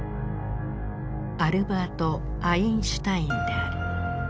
アルバート・アインシュタインである。